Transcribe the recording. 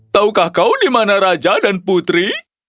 taukah kau di mana raja dan putri